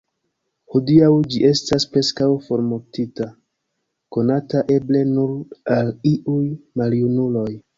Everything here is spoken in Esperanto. Hodiaŭ ĝi estas preskaŭ formortinta, konata eble nur al iuj maljunuloj.